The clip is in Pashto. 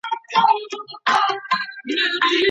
ځیني وختونه یوازي غوږ نیول لویه مرسته ده.